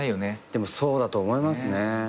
でもそうだと思いますね。